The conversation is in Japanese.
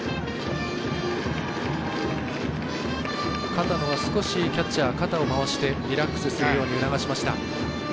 片野が少しキャッチャー少し肩を回してリラックスするように促しました。